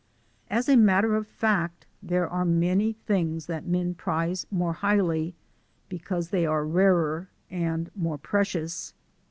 As a matter of fact, there are many things that men prize more highly because they are rarer and more precious.